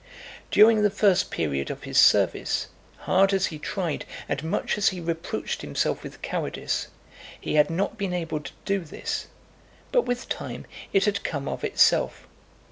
During the first period of his service, hard as he tried and much as he reproached himself with cowardice, he had not been able to do this, but with time it had come of itself.